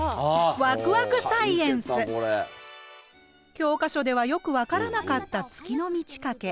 教科書ではよく分からなかった月の満ち欠け。